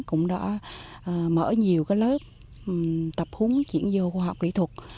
cũng đã mở nhiều lớp tập húng chuyển vô khoa học kỹ thuật